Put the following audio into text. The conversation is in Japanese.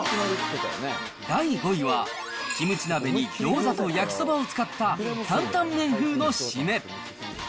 第５位は、キムチ鍋にギョーザと焼きそばを使った担々麺風のシメ。